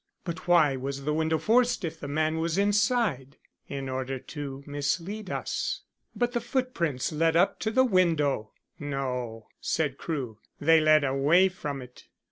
"But why was the window forced if the man was inside?" "In order to mislead us." "But the footprints led up to the window." "No," said Crewe. "They led away from it."